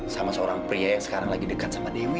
sama seorang pria yang sekarang lagi dekat sama dewi